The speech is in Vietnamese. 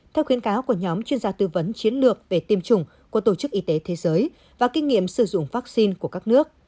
theo khuyến cáo của nhóm chuyên gia tư vấn chiến lược về tiêm chủng của tổ chức y tế thế giới và kinh nghiệm sử dụng vaccine của các nước